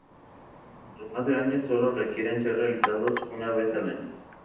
Los más grandes sólo requieren ser realizados una vez al año.